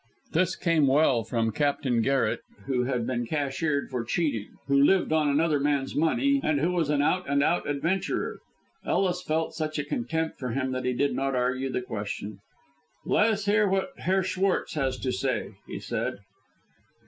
This came well from Captain Garret, who had been cashiered for cheating, who lived on another man's money, and who was an out and out adventurer. Ellis felt such a contempt for him that he did not argue the question. "Let us hear what Herr Schwartz has to say," he said.